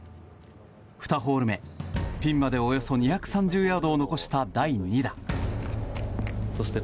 ２ホール目ピンまでおよそ２３０ヤードを残した、第２打。